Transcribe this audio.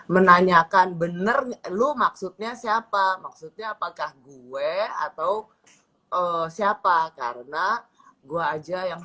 menanyakan bener lo maksudnya siapa maksudnya apakah gue atau siapa karena gue aja yang